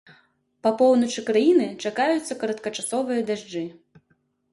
Па поўначы краіны чакаюцца кароткачасовыя дажджы.